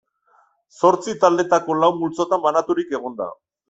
Zortzi taldetako lau multzotan banaturik egon da.